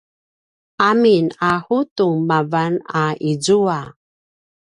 amin a ’udung mavan a izua